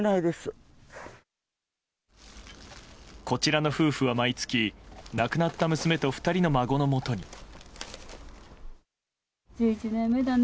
こちらの夫婦は毎月亡くなった娘と２人の孫のもとに。